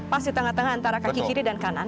pasti tengah tengah antara kaki kiri dan kanan